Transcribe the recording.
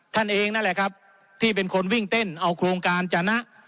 ท่านเองนั่นแหละครับที่เป็นคนวิ่งเต้นเอาโครงการจนะ